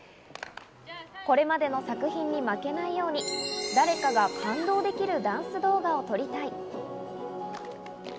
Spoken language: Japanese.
これまでの作品に負けないように、誰かが感動できるダンス動画を撮りたい。